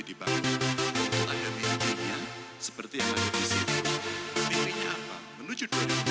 ini seperti ade larangan menuju